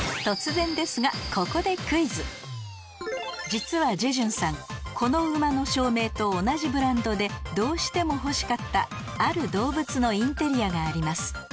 突然ですが実はジェジュンさんこの馬の照明と同じブランドでどうしても欲しかったある動物のインテリアがあります